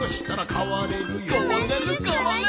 かわれるかわれる！